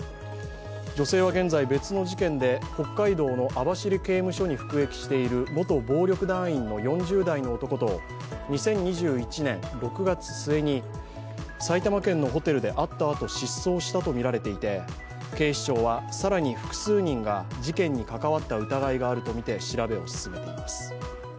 女性は現在、別の事件で北海道の網走刑務所に服役している元暴力団員の４０代の男と２０２１年６月末に埼玉県のホテルで会ったあと失踪したとみられていて警視庁は更に複数人が事件に関わった疑いがあるとみて調べを進めています。